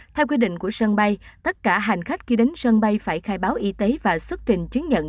theo quy định của sân bay tất cả hành khách khi đến sân bay phải khai báo y tế và xuất trình chứng nhận